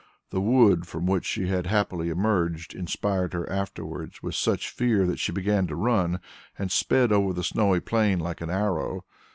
The wood from which she had happily emerged inspired her afterwards with such fear, that she began to run, and sped over the snowy plain like an arrow.